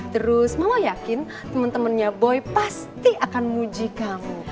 terus mama yakin teman temannya boy pasti akan muji kamu